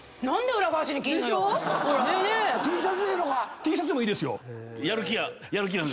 Ｔシャツでもいいですよ。